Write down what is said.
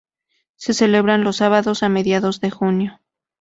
Se celebra los sábados a mediados de junio.